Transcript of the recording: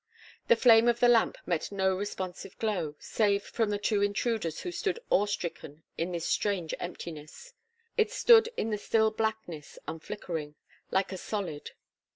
The flame of the lamp met no responsive glow; save from the two intruders who stood awe stricken in this strange emptiness; it stood in the still blackness unflickering, like a solid.